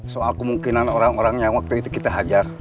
soal kemungkinan orang orang yang waktu itu kita hajar